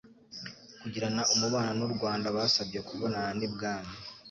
kugirana umubano n u Rwanda Basabye kubonana n ibwami